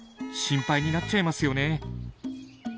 心配になっちゃいますよね。